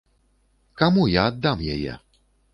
Каму я аддам яе?